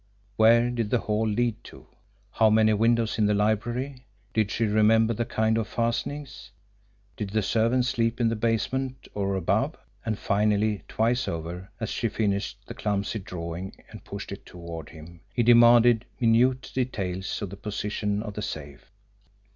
Where did the hall lead to? How many windows in the library? Did she remember the kind of fastenings? Did the servants sleep in the basement, or above? And finally, twice over, as she finished the clumsy drawing and pushed it toward him, he demanded minute details of the position of the safe.